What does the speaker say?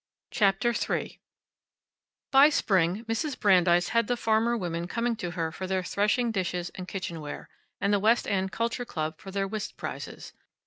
CHAPTER THREE By spring Mrs. Brandeis had the farmer women coming to her for their threshing dishes and kitchenware, and the West End Culture Club for their whist prizes.